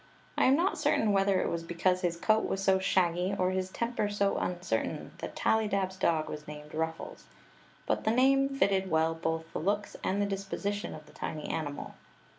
I am not certain whether it was because his coat was so shaggy or his temper so uncertain that Tallydab's dog was named Ruffles; but the name fitted well both the looks and the disposition of the tiny animal.